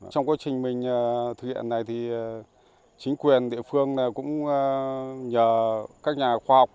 trong quá trình mình thực hiện này thì chính quyền địa phương cũng nhờ các nhà khoa học